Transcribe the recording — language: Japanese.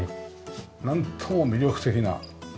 なんとも魅力的な。